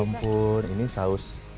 ya ampun ini saus